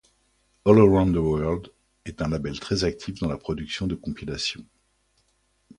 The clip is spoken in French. All Around the World est un label très actif dans la production de compilations.